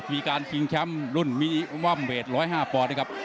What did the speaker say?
มีการชิงแชมป์รุ่นมิมัลเวท๑๐๕ปนะครับ